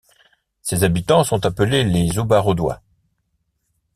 Ses habitants sont appelés les Aubaredois.